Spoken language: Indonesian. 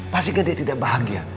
pastikan dia tidak bahagia